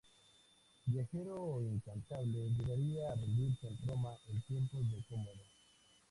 Viajero incansable, llegaría a residir en Roma en tiempos de Cómodo.